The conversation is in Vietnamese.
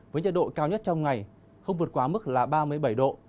với nhiệt độ cao nhất trong ngày không vượt quá mức là ba mươi bảy độ